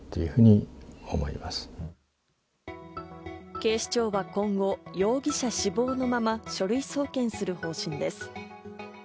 警視庁は今後、容疑者死亡のまま書類送検する方針です。